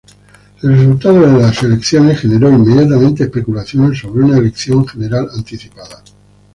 El resultado de las elecciones generó inmediatamente especulaciones sobre una elección general anticipada.